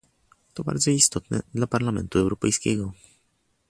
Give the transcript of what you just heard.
To bardzo istotne dla Parlamentu Europejskiego